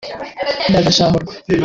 “ndagashahurwa